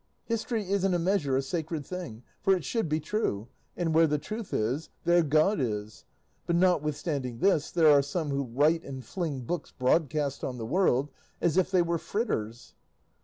History is in a measure a sacred thing, for it should be true, and where the truth is, there God is; but notwithstanding this, there are some who write and fling books broadcast on the world as if they were fritters."